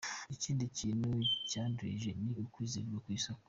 Ikindi kintu cyanduhije ni ukwizerwa ku isoko.